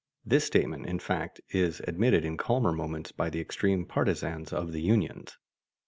This statement, in fact, is admitted in calmer moments by the extreme partisans of the unions.